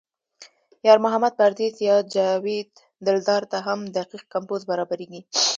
یار محمد پردیس یا جاوید دلدار ته هم دقیق کمپوز برابرېږي.